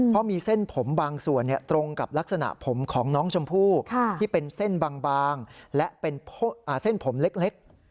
เพราะมีเส้นผมบางส่วนตรงกับลักษณะผมของน้องชมพู่ที่เป็นเส้นบางและเป็นเส้นผมเล็ก